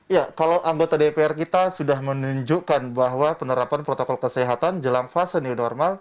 ya kalau anggota dpr kita sudah menunjukkan bahwa penerapan protokol kesehatan jelang fase new normal